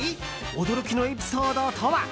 驚きのエピソードとは。